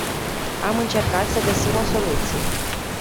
Am încercat sa găsim o soluție.